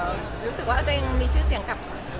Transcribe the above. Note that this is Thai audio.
รู้สึกว่าตัวเองมีชื่อเสียงกับ